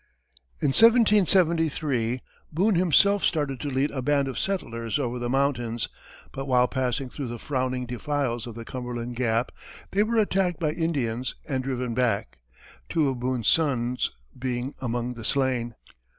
In 1773, Boone himself started to lead a band of settlers over the mountains, but while passing through the frowning defiles of the Cumberland Gap, they were attacked by Indians and driven back, two of Boone's sons being among the slain.